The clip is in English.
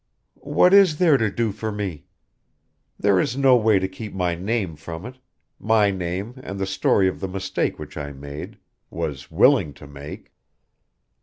"What is there to do for me? There is no way to keep my name from it my name and the story of the mistake which I made was willing to make."